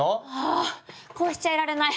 あこうしちゃいられない。